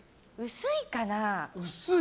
薄いかな。